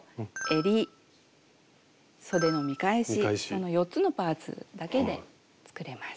その４つのパーツだけで作れます。